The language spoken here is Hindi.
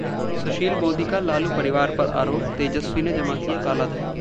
सुशील मोदी का लालू परिवार पर आरोप, तेजस्वी ने जमा किया कालाधन